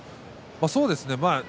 そうですね。